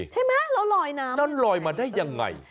ใช่มั้ยแล้วลอยน้ำลอยมาได้ยังไง